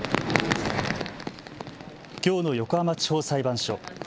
きょうの横浜地方裁判所。